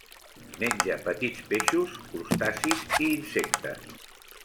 Menja petits peixos, crustacis i insectes.